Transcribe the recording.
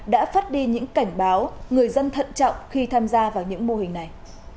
đã phát đi những cảnh báo người dân thận trọng khi tham gia vào những mô hình này